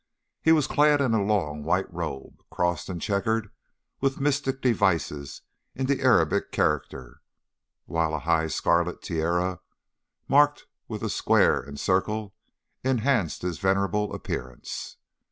He was clad in a long white robe, crossed and chequered with mystic devices in the Arabic character, while a high scarlet tiara marked with the square and circle enhanced his venerable appearance.